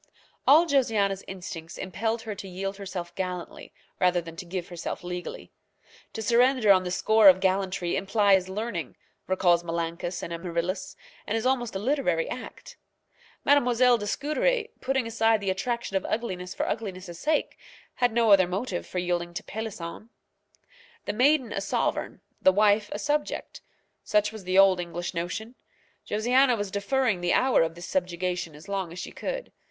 All Josiana's instincts impelled her to yield herself gallantly rather than to give herself legally. To surrender on the score of gallantry implies learning, recalls Menalcas and Amaryllis, and is almost a literary act. Mademoiselle de Scudéry, putting aside the attraction of ugliness for ugliness' sake, had no other motive for yielding to Pélisson. The maiden a sovereign, the wife a subject, such was the old English notion. Josiana was deferring the hour of this subjection as long as she could.